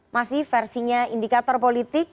masih versinya indikator politik